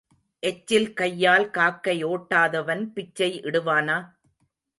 எச்சில் கையால் காக்கை ஓட்டாதவன் பிச்சை இடுவானா?